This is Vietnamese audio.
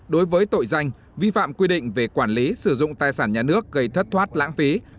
đối với tội danh vi phạm quy định về quản lý sử dụng tài sản nhà nước gây thất thoát lãng phí